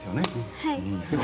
はい。